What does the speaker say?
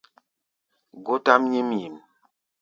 Gótʼám nyím nyǐm.